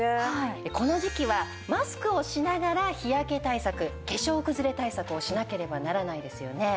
この時季はマスクをしながら日焼け対策化粧くずれ対策をしなければならないですよね。